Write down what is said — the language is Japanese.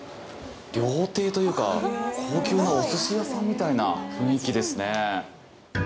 料亭というか高級なお寿司屋さんみたいな雰囲気ですね。